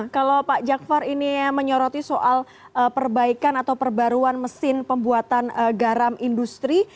kalau pak jakfar ini menyoroti soal perbaikan atau perbaruan mesin pembuatan garam industri